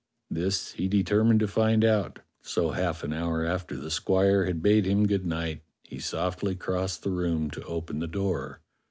This he determined to find out. So half an hour after the squire had bade him good night he softly crossed the room to open the door.